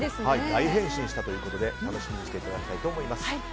大変身したということで楽しみにしていただきたいと思います。